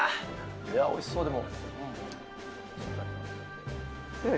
いや、おいしそう、でも。